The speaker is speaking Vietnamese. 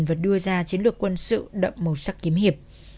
và đưa ra chiến lược quân sự đậm màu sắc kiếm hiệp